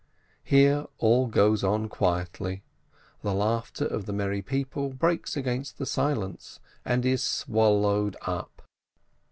Here all goes on quietly; the laughter of the merry people breaks against the silence, and is swallowed up.